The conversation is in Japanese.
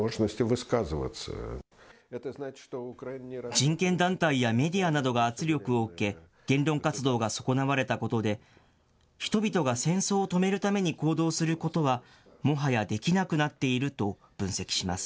人権団体やメディアなどが圧力を受け、言論活動が損なわれたことで、人々が戦争を止めるために行動することは、もはやできなくなっていると分析します。